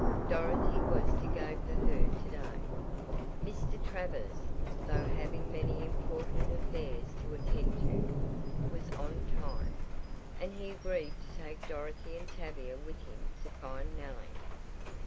Dorothy was to go for her to day. Mr. Travers, though having many important affairs to attend to, was on time, and he agreed to take Dorothy and Tavia with him to find Nellie.